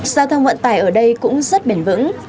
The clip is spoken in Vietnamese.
giao thông vận tải ở đây cũng rất bền vững